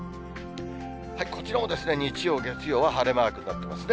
こちらも日曜、月曜は晴れマークになってますね。